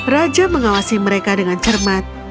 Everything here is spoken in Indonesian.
raja mengawasi mereka dengan cermat